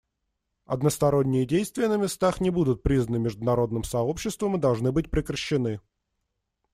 Односторонние действия на местах не будут признаны международным сообществом и должны быть прекращены.